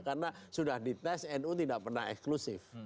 karena sudah di tes nu tidak pernah eksklusif